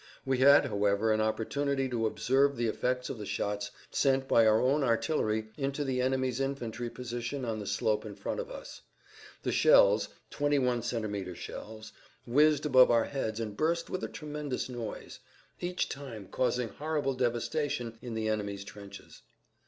We had however an opportunity to observe the effects of the shots sent by our own artillery into the enemy's infantry position on the slope in front of us. The shells (21 cm. shells) whizzed above our heads and burst with a tremendous noise, each time causing horrible devastation in the enemy's trenches.